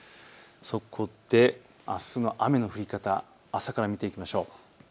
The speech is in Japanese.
そこで、あすの雨の降り方朝から見ていきましょう。